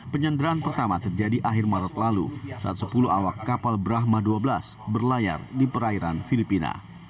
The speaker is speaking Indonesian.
penyanderaan pertama terjadi akhir maret lalu saat sepuluh awak kapal brahma dua belas berlayar di perairan filipina